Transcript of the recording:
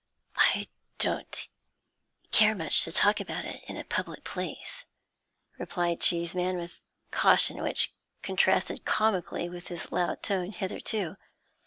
'I don't care much to talk about it in a public place,' replied Cheeseman, with caution which contrasted comically with his loud tone hitherto.